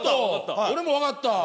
俺も分かった。